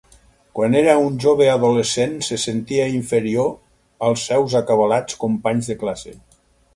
Quan era un jove adolescent se sentia inferior als seus acabalats companys de classe.